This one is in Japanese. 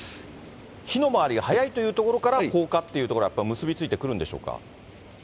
火の回りが速いというところから放火っていうところがやっぱりむすびついてくるんでしょうか。